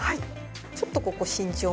ちょっとここ慎重に。